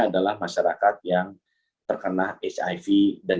adalah masyarakat yang terkena hiv dan